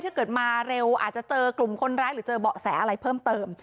ถ้าเกิดมาเร็วอาจจะเจอกลุ่มคนร้ายหรือเจอเบาะแสอะไรเพิ่มเติม